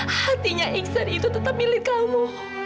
hatinya iksan itu tetap milik kamu